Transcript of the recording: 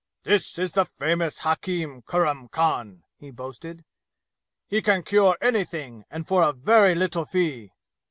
"This is the famous hakim Kurram Khan," he boasted. "He can cure anything, and for a very little fee!"